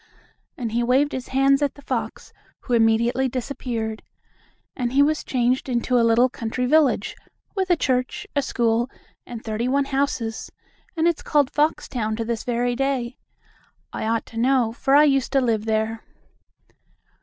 and he waved his hands at the fox, who immediately disappeared. And he was changed into a little country village, with a church, a school and thirty one houses, and it's called Foxtown to this very day. I ought to know, for I used to live there.